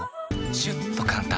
シュッと簡単！